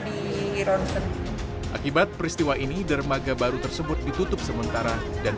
di ronsen akibat peristiwa ini dermaga baru tersebut ditutup sementara dan